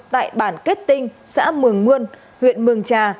tại bản kết tinh xã mường mươn huyện mường trà